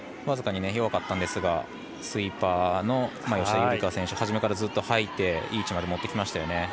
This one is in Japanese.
僅かに弱かったんですがスイーパーの吉田夕梨花選手が初めからずっと掃いていい位置まで持ってきましたよね。